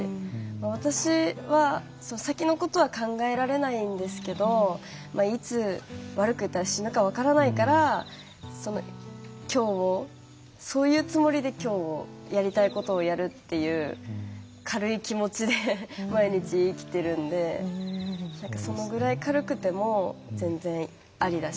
私は先のことは考えられないんですけどいつ悪く言ったら死ぬか分からないから今日をそういうつもりで今日をやりたいことをやるっていう軽い気持ちで毎日生きてるんでそのぐらい軽くても全然ありだし